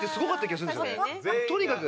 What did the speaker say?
とにかく。